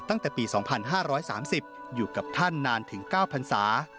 ตั้งแต่ปี๒๕๓๐อยู่กับท่านนานถึง๙พันศา